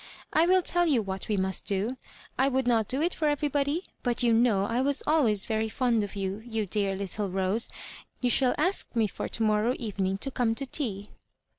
I will tell you what we must do. I would not do it for everybody ; but vou know I was always very fond of you, you dear little Rose. Tou shall ask me for to morrow evening to come to tea."